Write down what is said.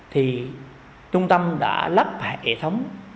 thì trung tâm đã lắp hệ thống